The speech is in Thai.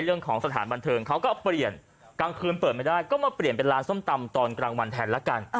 เรื่องของสถานบันเทิงเขาก็เอาเปลี่ยนกลางคืนเปิดไม่ได้ก็มาเปลี่ยนเป็นร้านส้มตำตอนกลางวันแทนละกัน